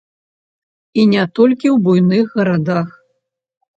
І не толькі ў буйных гарадах.